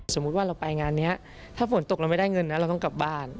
สมมุติว่าเราไปงานนี้ถ้าฝนตกเราไม่ได้เงินนะเราต้องกลับบ้าน